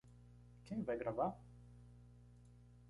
Quem vai gravar?